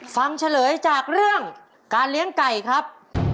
เฉลยจากเรื่องการเลี้ยงไก่ครับ